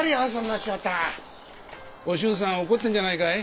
お俊さん怒ってんじゃないかい？